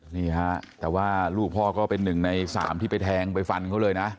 นี่ฮะแต่ว่าลูกพ่อก็เป็นหนึ่งในสามที่ไปแทงไปฟันเขาเลยนะ